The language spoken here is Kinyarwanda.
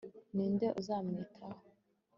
ni nde uzamwitaho